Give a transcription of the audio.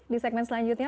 di segmen selanjutnya